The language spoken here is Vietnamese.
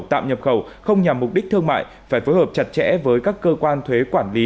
tạm nhập khẩu không nhằm mục đích thương mại phải phối hợp chặt chẽ với các cơ quan thuế quản lý